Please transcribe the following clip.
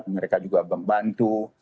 mereka juga membantu